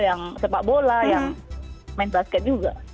yang sepak bola yang main basket juga